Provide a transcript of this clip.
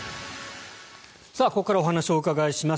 ここからお話をお伺いします。